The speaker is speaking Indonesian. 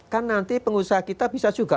kan nanti pengusaha kita bisa juga